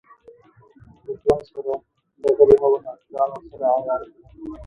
له ژوند سره ډغرې مه وهه، ځان ورسره عیار کړه.